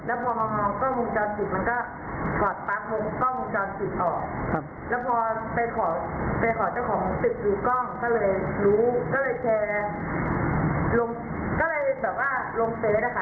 แล้วพอมามองกล้องวงจรปิดมันก็ถอดปั๊บลงกล้องวงจรปิดออกครับแล้วพอไปขอไปขอเจ้าของตึกดูกล้องก็เลยรู้ก็เลยแชร์ลงก็เลยแบบว่าลงเฟสนะคะ